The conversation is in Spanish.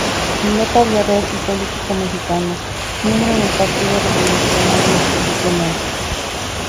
Piloto aviador y político mexicano, miembro del Partido Revolucionario Institucional.